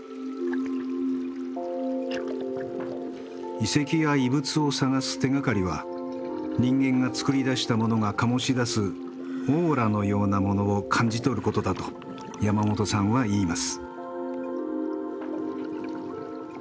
遺跡や遺物を探す手がかりは人間が作り出したものが醸し出すオーラのようなものを感じ取ることだと山本さんはいいます。